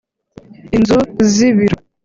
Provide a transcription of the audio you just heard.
inzu z’ibiro